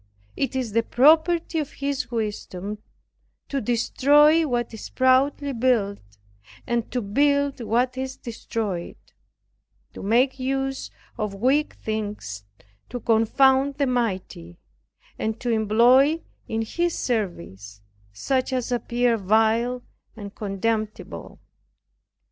It is the property of His wisdom to destroy what is proudly built, and to build what is destroyed; to make use of weak things to confound the mighty and to employ in His service such as appear vile and contemptible.